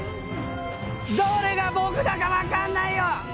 どれが僕だか分かんないよ！